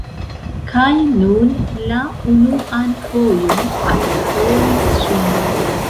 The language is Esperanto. Kaj nun la unuan fojon alparolis ŝin.